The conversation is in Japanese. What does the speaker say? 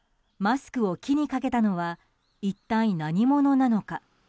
マスクを木にかけたのは一体何者なのか。